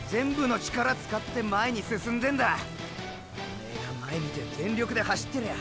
おめえが前見て全力で走ってりゃあ